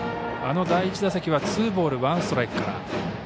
第１打席はツーボールワンストライクから。